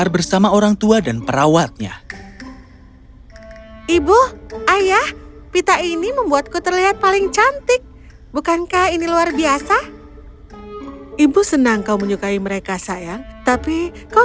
kenapa tidak bukan salahku kalau aku cantik